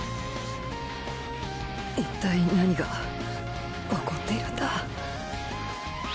いったい何が起こっているんだ？